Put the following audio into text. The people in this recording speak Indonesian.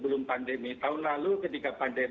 beransur menuju ke keadaan seperti ini